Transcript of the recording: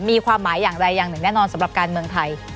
มีความหมายอย่างไรอย่างหนึ่งแน่นอนสำหรับการเมืองไทย